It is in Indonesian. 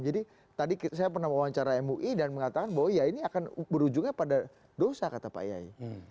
jadi tadi saya pernah mewawancara mui dan mengatakan bahwa ini akan berujungnya pada dosa kata pak iyai